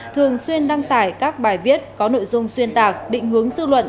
thường xuyên đăng tải các bài viết có nội dung xuyên tạc